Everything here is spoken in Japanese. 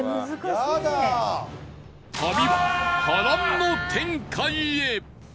旅は波乱の展開へ！